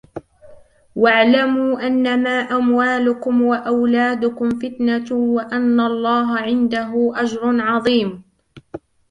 وَاعْلَمُوا أَنَّمَا أَمْوَالُكُمْ وَأَوْلَادُكُمْ فِتْنَةٌ وَأَنَّ اللَّهَ عِنْدَهُ أَجْرٌ عَظِيمٌ